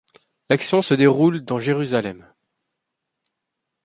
L'action se déroule dans Jérusalem.